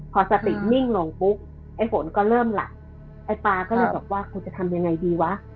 พอสตินิ่งลงปุ๊บไอ้ฝนก็เริ่มหลับไอ้ปลาก็เลยบอกว่าคุณจะทำยังไงดีวะ